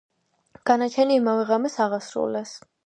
განაჩენი იმავე ღამეს აღასრულეს.